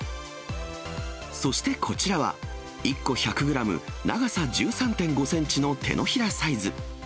そしてこちらは、１個１００グラム、長さ１３．５センチの手のひらサイズ。